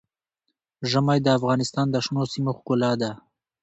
ژمی د افغانستان د شنو سیمو ښکلا ده.